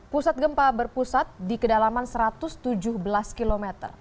pusat gempa berpusat di kedalaman satu ratus tujuh belas km